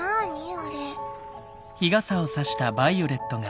あれ。